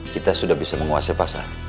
kita sudah bisa menguasai pasar